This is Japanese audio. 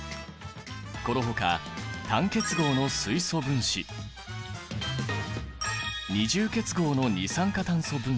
このほか単結合の水素分子二重結合の二酸化炭素分子